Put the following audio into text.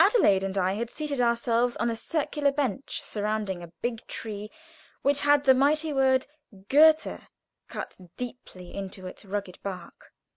Adelaide and I had seated ourselves on a circular bench surrounding a big tree, which had the mighty word GOETHE cut deeply into its rugged bark.